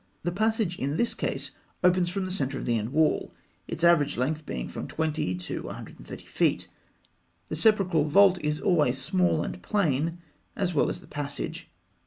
The passage in this case opens from the centre of the end wall, its average length being from 20 to 130 feet. The sepulchral vault is always small and plain, as well as the passage.